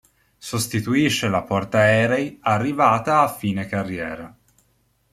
Sostituisce la portaerei arrivata a fine carriera.